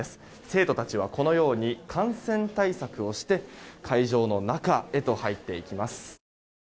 生徒たちはこのように感染対策をして会場の中へと入っていきます。